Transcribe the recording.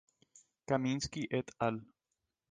Kaminsky et al.